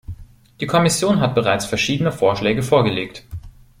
Die Kommission hat bereits verschiedene Vorschläge vorgelegt.